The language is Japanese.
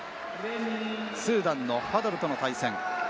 スーダンのファドゥルとの対戦。